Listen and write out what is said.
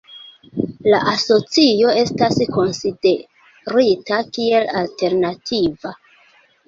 La asocio estas konsiderita kiel alternativa.